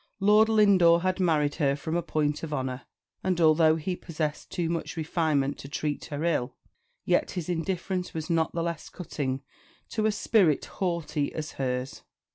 Lord Lindore had married her from a point of honour; and although he possessed too much refinement to treat her ill, yet his indifference was not the less cutting to a spirit haughty as hers.